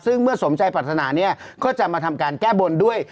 ซึ่งเมื่อสมใจปรัฐนาเนี่ยก็จะมาทำการแก้บนด้วย